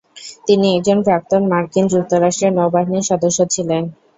তিনি একজন প্রাক্তন মার্কিন যুক্তরাষ্ট্রের নৌবাহিনীর সদস্য ছিলেন।